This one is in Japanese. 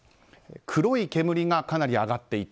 黒い煙がかなり上がっていた。